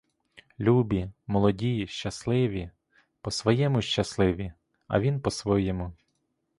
Любі, молоді, щасливі — по-своєму щасливі, а він по-своєму.